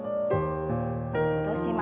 戻します。